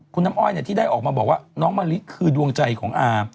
คุณน้ำอ้อยที่ได้ออกมาบอกว่าน้องมะลิคือดวงใจของอา